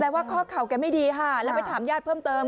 ว่าข้อเข่าแกไม่ดีค่ะแล้วไปถามญาติเพิ่มเติม